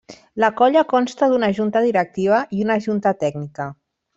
La colla consta d'una junta directiva i una junta tècnica.